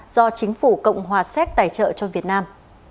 do chính phủ cộng hòa séc tài trợ cho việt nam